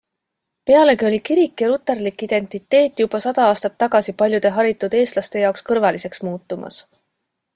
Pealegi oli kirik ja luterlik identiteet juba sada aastat tagasi paljude haritud eestlaste jaoks kõrvaliseks muutumas.